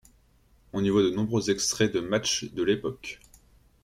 On y voit de nombreux extraits de matches de l'époque.